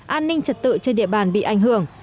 an ninh trật tự trên địa bàn bị ảnh hưởng